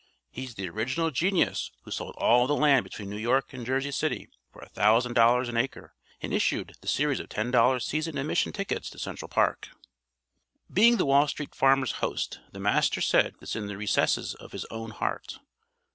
He's the original genius who sold all the land between New York and Jersey City for a thousand dollars an acre and issued the series of ten dollar season admission tickets to Central Park." Being the Wall Street Farmer's host the Master said this in the recesses of his own heart.